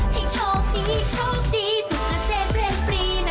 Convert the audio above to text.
ให้โชคดีโชคดีสุขเส้นเป็นปรีน